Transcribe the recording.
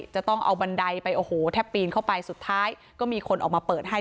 จะต้องเอาบันไดไปโอ้โหแทบปีนเข้าไปสุดท้ายก็มีคนออกมาเปิดให้